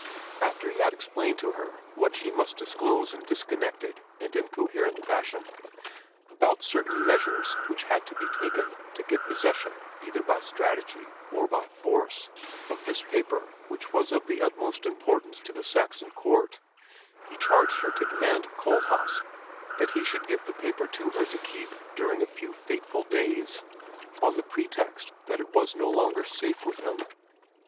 After he had explained to her what she must disclose in disconnected and incoherent fashion, about certain measures which had been taken to get possession, either by strategy or by force, of this paper which was of the utmost importance to the Saxon court, he charged her to demand of Kohlhaas that he should give the paper to her to keep during a few fateful days, on the pretext that it was no longer safe with him.